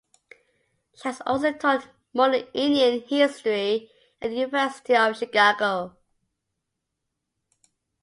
She has also taught modern Indian History at the University of Chicago.